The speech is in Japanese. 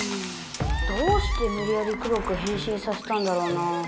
どうしてむりやり黒くへんしんさせたんだろうな。